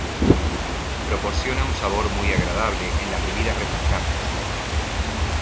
Proporciona un sabor muy agradable en las bebidas refrescantes.